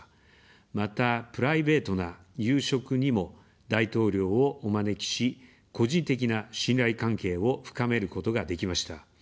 また、プライベートな夕食にも大統領をお招きし、個人的な信頼関係を深めることができました。